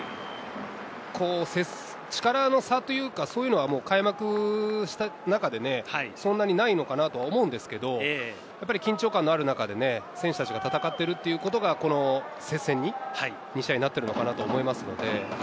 力の差というか、そういうのは、そんなにないのかなと思うんですけれど、緊張感のある中で、選手たちが戦っていることがこの接戦に繋がっているのかと思います。